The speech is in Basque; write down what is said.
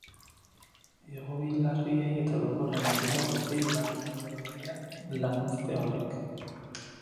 Egoiliarrei eta orokorrean herritar guztiei eragingo die lanuzte horrek.